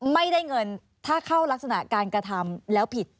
ไม่ได้เงินถ้าเข้ารักษณะการกระทำแล้วผิด